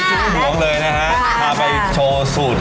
ที่จุหวงเลยนะฮะมาไปโชว์สูตร